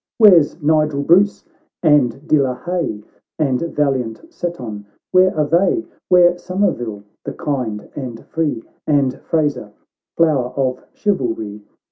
Where's Nigel Bruce? and De la Haye, And valiant Seton — where are they ? Where Somerville, the kind and free? And Fraser, flower of chivalry